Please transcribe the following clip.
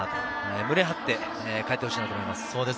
胸を張って帰ってほしいと思います。